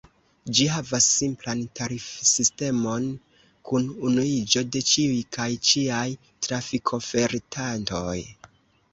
Ĝi havas simplan tarifsistemon kun unuiĝo de ĉiuj kaj ĉiaj trafikofertantoj.